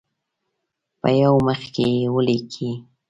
په یو مخ کې یې ولیکئ.